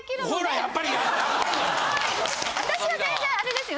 私は全然あれですよ。